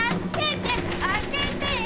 開けてよ！